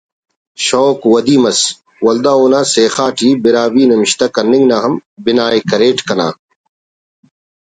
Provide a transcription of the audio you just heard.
شوق ودی مس ولدا اونا سیخا ٹی براہوئی نوشتہ کننگ نا ہم بناءِ کریٹ کنا